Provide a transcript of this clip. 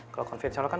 kalau konvensional kan